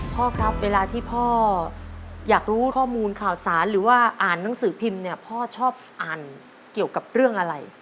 พ่อครับเวลาที่พ่ออยากรู้ข้อมูลข่าวสารหรือว่าอ่านหนังสือพิมพ์เนี่ยพ่อชอบอ่านเกี่ยวกับเรื่องอะไร